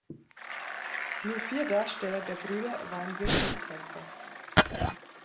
Nur vier Darsteller der Brüder waren wirklich Tänzer.